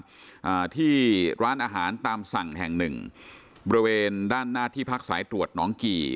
อ่าที่ร้านอาหารตามสั่งแห่งหนึ่งบริเวณด้านหน้าที่พักสายตรวจน้องกี่